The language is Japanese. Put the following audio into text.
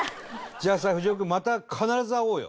じゃあさふじお君また必ず会おうよ！